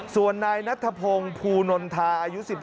ส่วนนายนัทพงศ์ภูนนทาอายุ๑๓